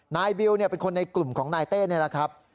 บิวเป็นคนในกลุ่มของนายเต้นี่แหละครับ